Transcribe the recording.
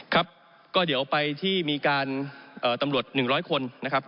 ครับก็เดี๋ยวไปที่มีการตำรวจ๑๐๐คนนะครับ